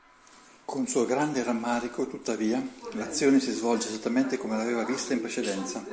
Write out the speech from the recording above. Con suo grande rammarico, tuttavia, l'azione si svolge esattamente come l'aveva vista in precedenza.